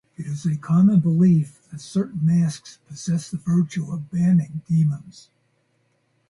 It is a common belief that certain masks possess the virtue of banning demons.